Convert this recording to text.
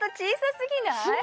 すごない？